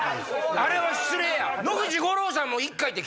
あれは失礼や！